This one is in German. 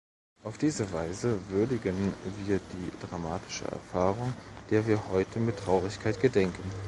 Auf diese Weise würdigen wir die dramatische Erfahrung, der wir heute mit Traurigkeit gedenken.